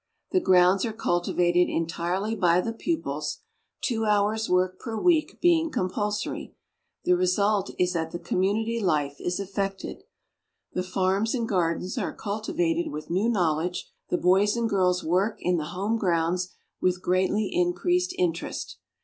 The grounds are cultivated entirely by the pupils, two hours' work per week being compulsory. The result is that the community life is affected. The farms and gardens are cultivated with new knowledge; the boys and girls work in the home grounds with greatly increased interest.